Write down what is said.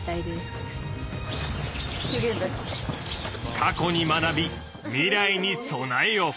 過去に学び未来に備えよ。